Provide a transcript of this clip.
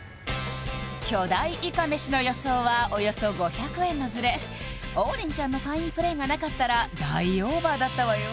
巨大いかめしの予想はおよそ５００円のズレ王林ちゃんのファインプレーがなかったら大オーバーだったわよ